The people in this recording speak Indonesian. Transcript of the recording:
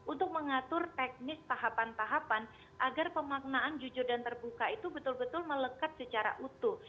untuk mengatur teknis tahapan tahapan agar pemaknaan jujur dan terbuka itu betul betul melekat secara utuh